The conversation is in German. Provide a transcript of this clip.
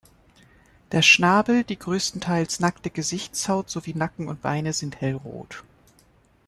Der Schnabel, die größtenteils nackte Gesichtshaut sowie Nacken und Beine sind hellrot.